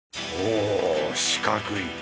おぉ四角い。